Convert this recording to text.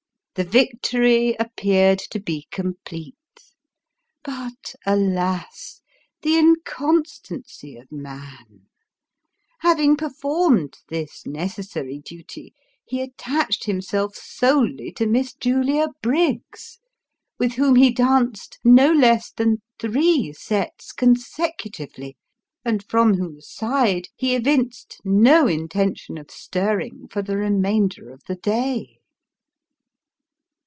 The victory appeared to be complete ; but alas ! the inconstancy of man ! Having performed this necessary duty, he attached himself solely to Miss Julia Briggs, with whom he danced no less than three sets consecutively, and from whose side he evinced no intention of stirring for the remainder of the day.